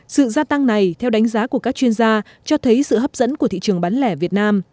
sự gia tăng này theo đánh giá của các chuyên gia cho thấy sự hấp dẫn của thị trường bán lẻ việt nam